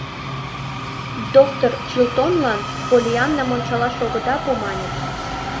Доктыр Чилтонлан Поллианнам ончалаш огыда пу, маньыч.